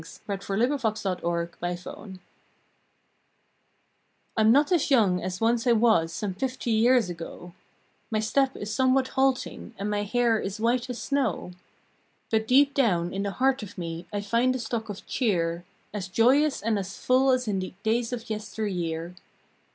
November Eighth UNIMPAIRED I M not as young as once I was some fifty years ago, My step is somewhat halting and my hair is white as snow; But deep down in the heart of me I find a stock of cheer As joyous and as full as in the days of yesteryear.